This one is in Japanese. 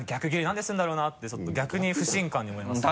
なんでするんだろうな？ってちょっと逆に不信感に思います